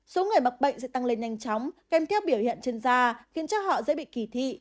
số người mắc bệnh sẽ tăng lên nhanh chóng kèm theo biểu hiện trên da khiến cho họ dễ bị kỳ thị